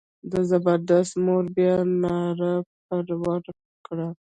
د زبردست مور بیا ناره پر وکړه.